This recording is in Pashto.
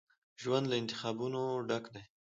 ژوند له انتخابونو ډک دی.